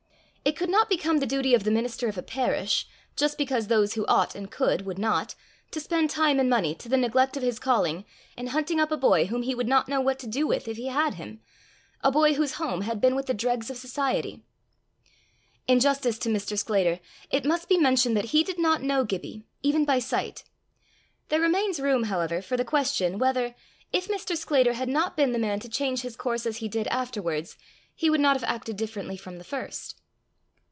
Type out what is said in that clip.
It could not become the duty of the minister of a parish, just because those who ought and could, would not, to spend time and money, to the neglect of his calling, in hunting up a boy whom he would not know what to do with if he had him, a boy whose home had been with the dregs of society. In justice to Mr. Sclater, it must be mentioned that he did not know Gibbie, even by sight. There remains room, however, for the question, whether, if Mr. Sclater had not been the man to change his course as he did afterwards, he would not have acted differently from the first.